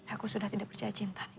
aku sudah tidak percaya cinta